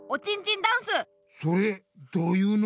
それどういうの？